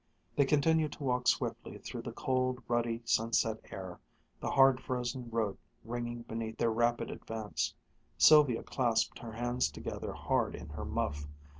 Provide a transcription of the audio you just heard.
They continued to walk swiftly through the cold, ruddy, sunset air, the hard frozen road ringing beneath their rapid advance. Sylvia clasped her hands together hard in her muff.